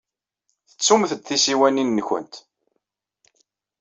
Tettumt-d tisiwanin-nwent.